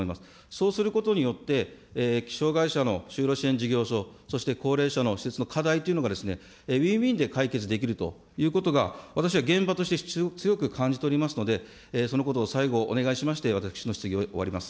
そうすることによって、障害者の就労支援事業所、そして高齢者の施設の課題というのがウィンウィンで解決できるということが、私は現場として、強く感じておりますので、そのことを最後、お願いしまして、私の質疑を終わります。